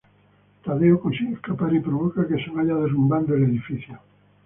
Tadeo consigue escapar y provoca que se vaya derrumbando el edificio.